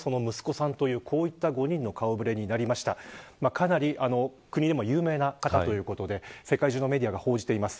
かなり国でも有名な方ということで、世界中のメディアが報じています。